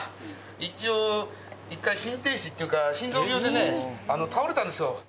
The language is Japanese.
一応一回心停止っていうか心臓病でね倒れたんですよ。